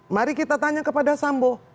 mari kita tanya kepada sambo